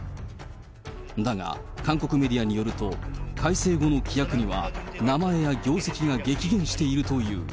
だが、韓国メディアによると、改正後の規約には、名前や業績が激減しているという。